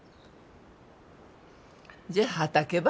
じゃあ畑ば。